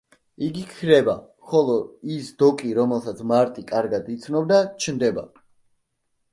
იგი ქრება, ხოლო ის დოკი, რომელსაც მარტი კარგად იცნობდა, ჩნდება.